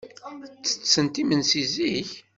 Ttettent imensi zik.